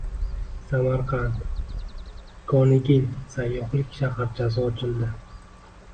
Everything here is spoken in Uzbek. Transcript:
Samarqand Konigil sayyohlik shaharchasi ochildi